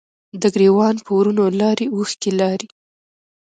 د ګریوان په ورونو لارې، اوښکې لارې